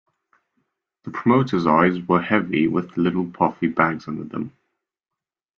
The promoter's eyes were heavy, with little puffy bags under them.